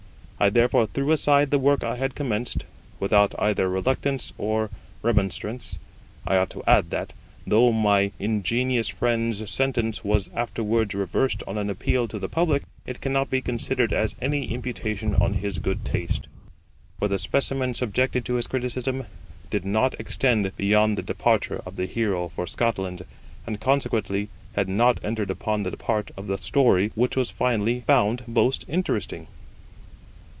I therefore threw aside the work I had commenced, without either reluctance or remonstrance. I ought to add that, though my ingenious friend's sentence was afterwards reversed on an appeal to the public, it cannot be considered as any imputation on his good taste; for the specimen subjected to his criticism did not extend beyond the departure of the hero for Scotland, and consequently had not entered upon the part of the story which was finally found most interesting.